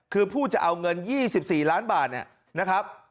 คือผู้จะเอาเงิน๒๔ล้านบาทเนี่ยนะครับ